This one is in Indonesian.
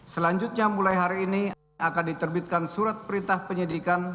selanjutnya mulai hari ini akan diterbitkan surat perintah penyidikan